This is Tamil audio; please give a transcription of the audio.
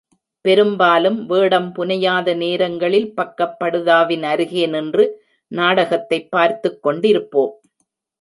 பெரும்பாலும் வேடம் புனையாத நேரங்களில் பக்கப் படுதாவின் அருகே நின்று நாடகத்தைப் பார்த்துக் கொண்டிருப்போம்.